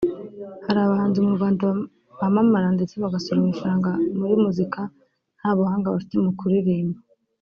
Hari abahanzi mu Rwanda bamamara ndetse bagasoroma ifaranga muri muzika nta n’ubuhanga bafite mu kuririmba